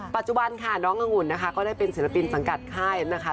ปัจจุบันค่ะน้องอังุ่นนะคะก็ได้เป็นศิลปินสังกัดค่ายนะคะ